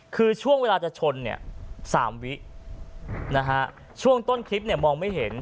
คือช่วงเวลาจะชนเนี่ย๓วินะฮะช่วงต้นคลิปเนี่ยมองไม่เห็น